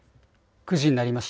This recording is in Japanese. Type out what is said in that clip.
９時になりました。